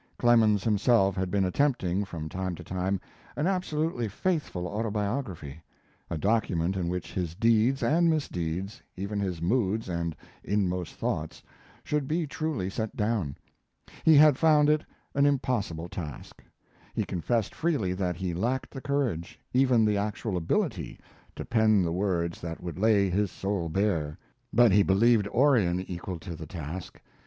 Clemens himself had been attempting, from time to time, an absolutely faithful autobiography; a document in which his deeds and misdeeds, even his moods and inmost thoughts, should be truly set down. He had found it an impossible task. He confessed freely that he lacked the courage, even the actual ability, to pen the words that would lay his soul bare, but he believed Orion equal to the task.